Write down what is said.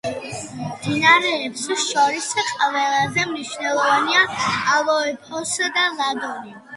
მდინარეებს შორის ყველაზე მნიშვნელოვანია ალფეოსი და ლადონი.